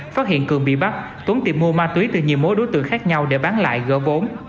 phát hiện cường bị bắt tuấn tìm mua ma túy từ nhiều mối đối tượng khác nhau để bán lại gỡ vốn